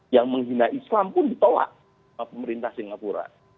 yang menghina islam pun ditolak pemerintah singapura